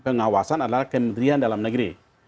pengawasan adalah kementerian dalam negeri